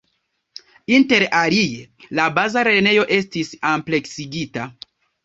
Inter alie, la baza lernejo estis ampleksigita.